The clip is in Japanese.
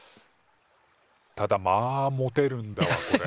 ただまあモテるんだわこれ。